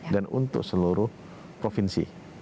untuk seluruh provinsi